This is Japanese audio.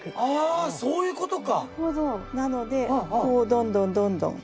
あそういうことか！